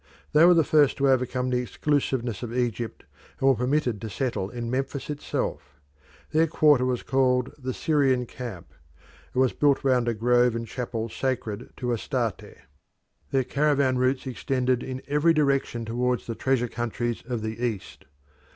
They were the first to overcome the exclusiveness of Egypt, and were permitted to settle in Memphis itself. Their quarter was called the Syrian camp; it was built round a grove and chapel sacred to Astarte. Their caravan routes extended in every direction towards the treasure countries of the East.